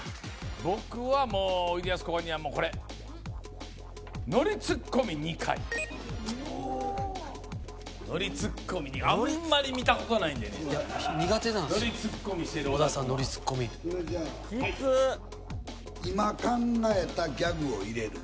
僕はもうおいでやすこがにはもうこれ「ノリツッコミ２回」ノリツッコミ２あんまり見たことないんでね苦手なんすよ小田さんノリツッコミキツっ「今考えたギャグを入れる」